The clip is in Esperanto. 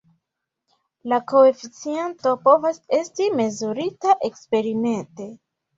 La koeficiento povas esti mezurita eksperimente.